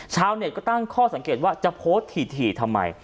ชาวเน็ตก็ตั้งข้อสังเกตว่าจะโพสต์ถี่ทำไม